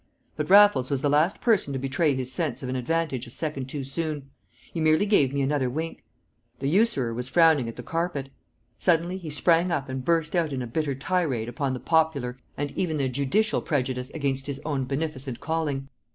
But Raffles was the last person to betray his sense of an advantage a second too soon: he merely gave me another wink. The usurer was frowning at the carpet. Suddenly he sprang up and burst out in a bitter tirade upon the popular and even the judicial prejudice against his own beneficent calling.